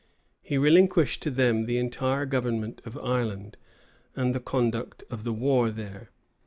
[] He relinquished to them the entire government of Ireland, and the conduct of the war there.